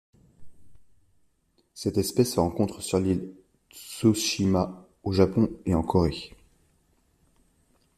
Cette espèce es rencontre sur l'île Tsushima au Japon et en Corée.